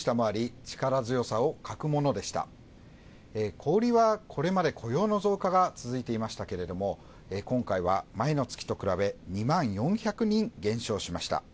小売りは、これまで雇用の増加が続いていましたけれども、今回は前の月と比べ２万４００人、減少しました。